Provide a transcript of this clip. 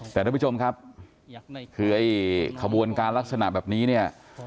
แต่ท่านผู้ชมครับคือขบวนการลักษณะแบบนี้